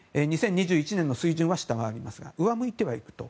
２０２１年の水準は下回りますが上向いてはいくと。